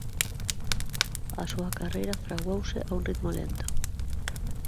A súa carreira fraguouse a un ritmo lento.